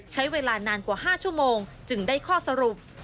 ใช้เวลานานกว่า๕ชั่วโมงจึงได้ข้อสรุป